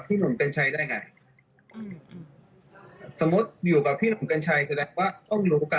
หนุ่มกัญชัยได้ไงอืมสมมุติอยู่กับพี่หนุ่มกัญชัยแสดงว่าต้องมีโอกาส